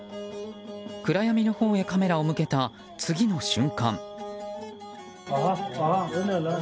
暗闇のほうへカメラを向けた次の瞬間。